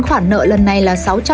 khoản nợ lần này là